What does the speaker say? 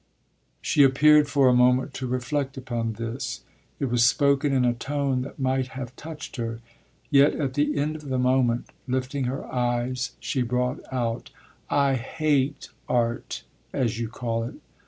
She appeared for a moment to reflect upon this: it was spoken in a tone that might have touched her. Yet at the end of the moment, lifting her eyes, she brought out: "I hate art, as you call it.